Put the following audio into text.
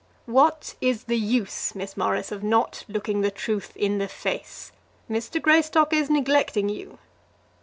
"What is the use, Miss Morris, of not looking the truth in the face? Mr. Greystock is neglecting you."